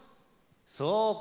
そうか！